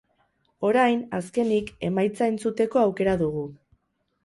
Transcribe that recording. Orain, azkenik, emaitza entzuteko aukera dugu.